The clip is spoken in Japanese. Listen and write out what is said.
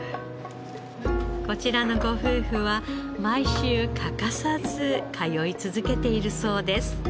こちらのご夫婦は毎週欠かさず通い続けているそうです。